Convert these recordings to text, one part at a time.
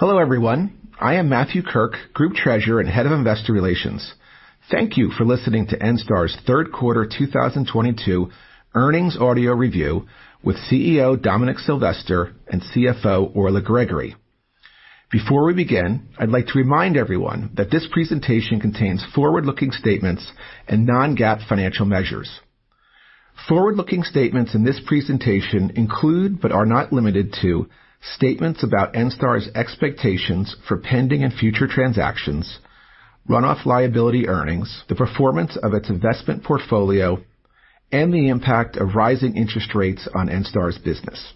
Hello, everyone. I am Matthew Kirk, Group Treasurer and Head of Investor Relations. Thank you for listening to Enstar's third quarter 2022 earnings audio review with CEO Dominic Silvester and CFO Orla Gregory. Before we begin, I'd like to remind everyone that this presentation contains forward-looking statements and non-GAAP financial measures. Forward-looking statements in this presentation include, but are not limited to, statements about Enstar's expectations for pending and future transactions, run-off liability earnings, the performance of its investment portfolio, and the impact of rising interest rates on Enstar's business.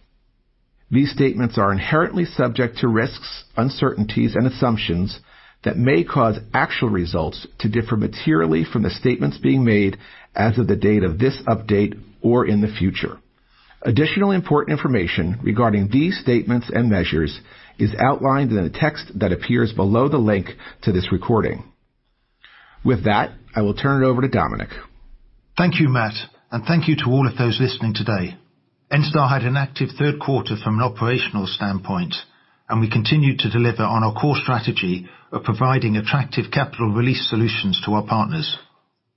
These statements are inherently subject to risks, uncertainties and assumptions that may cause actual results to differ materially from the statements being made as of the date of this update or in the future. Additional important information regarding these statements and measures is outlined in the text that appears below the link to this recording. With that, I will turn it over to Dominic. Thank you, Matt, and thank you to all of those listening today. Enstar had an active third quarter from an operational standpoint, and we continued to deliver on our core strategy of providing attractive capital release solutions to our partners.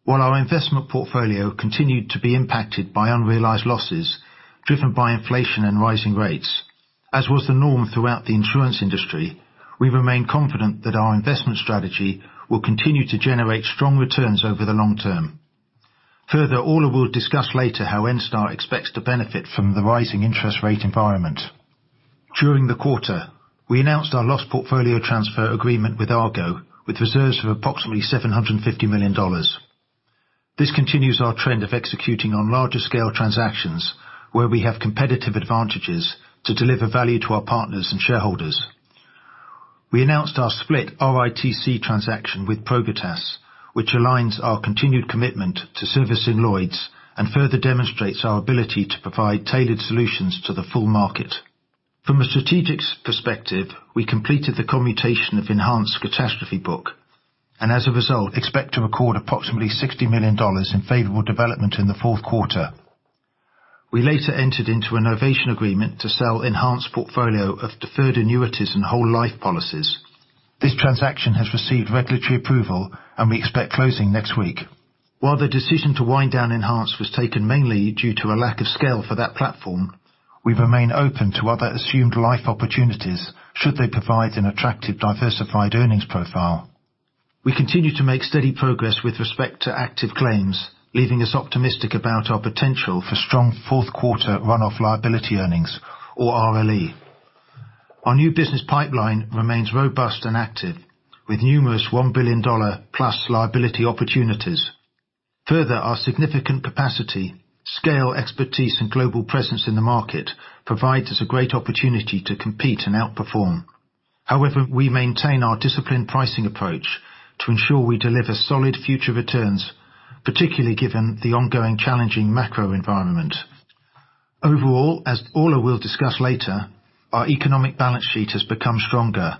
While our investment portfolio continued to be impacted by unrealized losses driven by inflation and rising rates, as was the norm throughout the insurance industry, we remain confident that our investment strategy will continue to generate strong returns over the long term. Further, Orla will discuss later how Enstar expects to benefit from the rising interest rate environment. During the quarter, we announced our loss portfolio transfer agreement with Argo Group, with reserves of approximately $750 million. This continues our trend of executing on larger scale transactions where we have competitive advantages to deliver value to our partners and shareholders. We announced our split RITC transaction with Probitas, which aligns our continued commitment to servicing Lloyd's and further demonstrates our ability to provide tailored solutions to the full market. From a strategic perspective, we completed the commutation of Enhanzed catastrophe book, and as a result, expect to record approximately $60 million in favorable development in the fourth quarter. We later entered into a novation agreement to sell Enhanzed portfolio of deferred annuities and whole life policies. This transaction has received regulatory approval, and we expect closing next week. While the decision to wind down Enhanzed was taken mainly due to a lack of scale for that platform, we remain open to other assumed life opportunities should they provide an attractive, diversified earnings profile. We continue to make steady progress with respect to active claims, leaving us optimistic about our potential for strong fourth quarter run-off liability earnings or RLE. Our new business pipeline remains robust and active, with numerous $1 billion plus liability opportunities. Further, our significant capacity, scale, expertise, and global presence in the market provides us a great opportunity to compete and outperform. However, we maintain our disciplined pricing approach to ensure we deliver solid future returns, particularly given the ongoing challenging macro environment. Overall, as Orla will discuss later, our economic balance sheet has become stronger,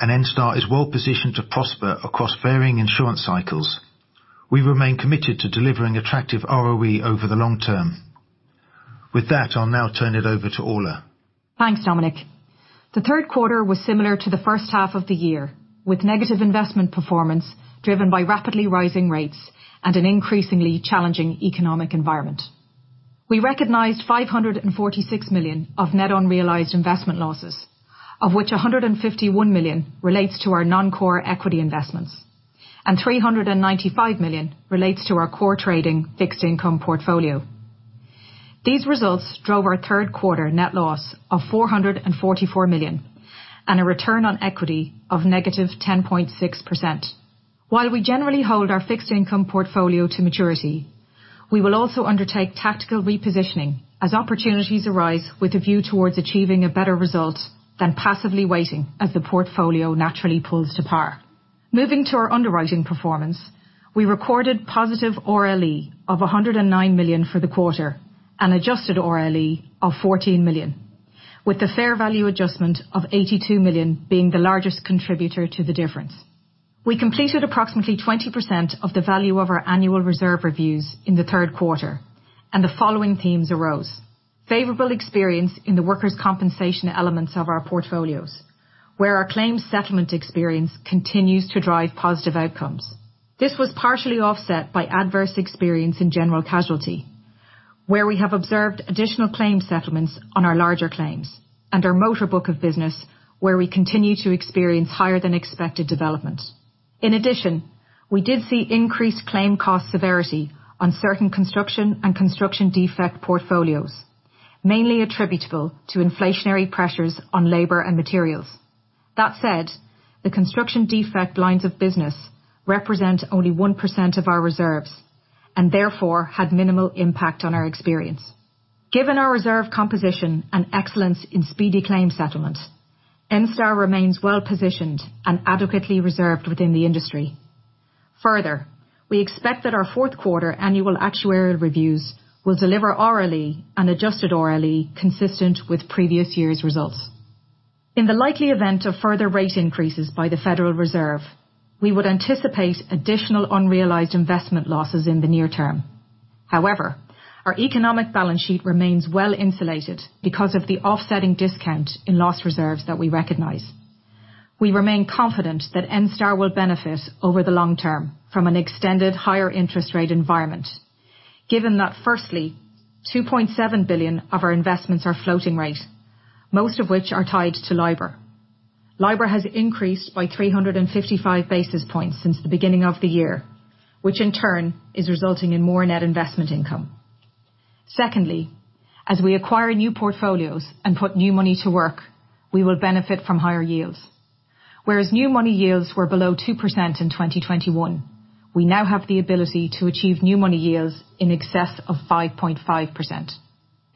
and Enstar is well positioned to prosper across varying insurance cycles. We remain committed to delivering attractive ROE over the long term. With that, I'll now turn it over to Orla. Thanks, Dominic. The third quarter was similar to the first half of the year, with negative investment performance driven by rapidly rising rates and an increasingly challenging economic environment. We recognized $546 million of net unrealized investment losses, of which $151 million relates to our non-core equity investments and $395 million relates to our core trading fixed income portfolio. These results drove our third quarter net loss of $444 million and a return on equity of -10.6%. While we generally hold our fixed income portfolio to maturity, we will also undertake tactical repositioning as opportunities arise with a view towards achieving a better result than passively waiting as the portfolio naturally pulls to par. Moving to our underwriting performance, we recorded positive RLE of $109 million for the quarter and adjusted RLE of $14 million, with the fair value adjustment of $82 million being the largest contributor to the difference. We completed approximately 20% of the value of our annual reserve reviews in the third quarter, and the following themes arose. Favorable experience in the workers' compensation elements of our portfolios, where our claims settlement experience continues to drive positive outcomes. This was partially offset by adverse experience in general casualty, where we have observed additional claims settlements on our larger claims and our motor book of business where we continue to experience higher than expected development. In addition, we did see increased claim cost severity on certain construction and construction defect portfolios, mainly attributable to inflationary pressures on labor and materials. That said, the construction defect lines of business represent only 1% of our reserves and therefore had minimal impact on our experience. Given our reserve composition and excellence in speedy claim settlement, Enstar remains well positioned and adequately reserved within the industry. Further, we expect that our fourth quarter annual actuarial reviews will deliver RLE and adjusted RLE consistent with previous year's results. In the likely event of further rate increases by the Federal Reserve, we would anticipate additional unrealized investment losses in the near term. However, our economic balance sheet remains well insulated because of the offsetting discount in loss reserves that we recognize. We remain confident that Enstar will benefit over the long term from an extended higher interest rate environment, given that firstly, $2.7 billion of our investments are floating rate, most of which are tied to LIBOR. LIBOR has increased by 355 basis points since the beginning of the year, which in turn is resulting in more net investment income. Secondly, as we acquire new portfolios and put new money to work, we will benefit from higher yields. Whereas new money yields were below 2% in 2021, we now have the ability to achieve new money yields in excess of 5.5%.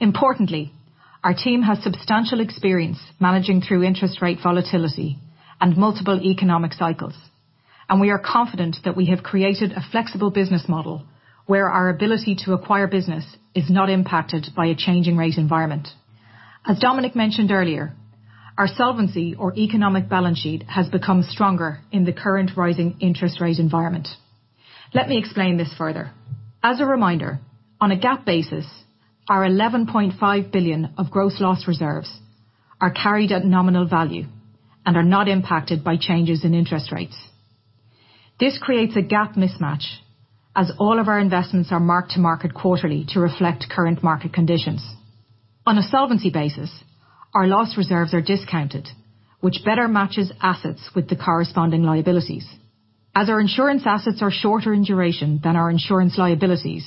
Importantly, our team has substantial experience managing through interest rate volatility and multiple economic cycles, and we are confident that we have created a flexible business model where our ability to acquire business is not impacted by a changing rate environment. As Dominic mentioned earlier, our solvency or economic balance sheet has become stronger in the current rising interest rate environment. Let me explain this further. As a reminder, on a GAAP basis, our $11.5 billion of gross loss reserves are carried at nominal value and are not impacted by changes in interest rates. This creates a GAAP mismatch as all of our investments are marked to market quarterly to reflect current market conditions. On a solvency basis, our loss reserves are discounted, which better matches assets with the corresponding liabilities. Our insurance assets are shorter in duration than our insurance liabilities,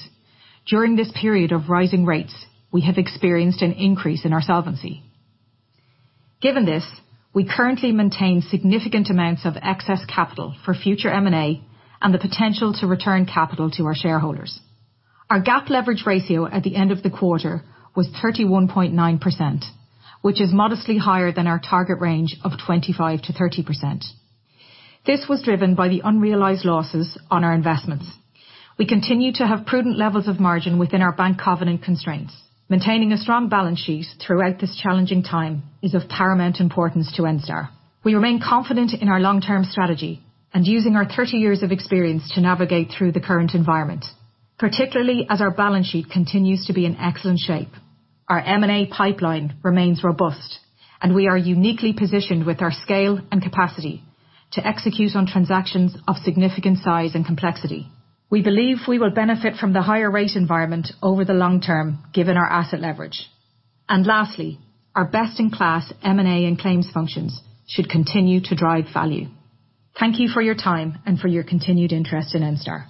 during this period of rising rates, we have experienced an increase in our solvency. Given this, we currently maintain significant amounts of excess capital for future M&A and the potential to return capital to our shareholders. Our GAAP leverage ratio at the end of the quarter was 31.9%, which is modestly higher than our target range of 25%-30%. This was driven by the unrealized losses on our investments. We continue to have prudent levels of margin within our bank covenant constraints. Maintaining a strong balance sheet throughout this challenging time is of paramount importance to Enstar. We remain confident in our long-term strategy and using our 30 years of experience to navigate through the current environment, particularly as our balance sheet continues to be in excellent shape. Our M&A pipeline remains robust, and we are uniquely positioned with our scale and capacity to execute on transactions of significant size and complexity. We believe we will benefit from the higher rate environment over the long term given our asset leverage. Lastly, our best-in-class M&A and claims functions should continue to drive value. Thank you for your time and for your continued interest in Enstar.